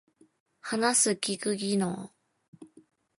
話す聞く技能